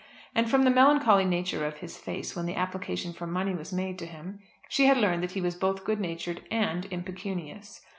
And from the melancholy nature of his face when the application for money was made to him, she had learned that he was both good natured and impecunious.